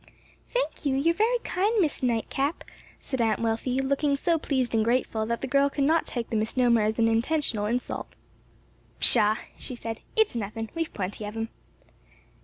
"Thank you, you're very kind, Miss Nightcap," said Aunt Wealthy, looking so pleased and grateful that the girl could not take the misnomer as an intentional insult. "Pshaw!" she said, "it's nothin'; we've plenty of 'em."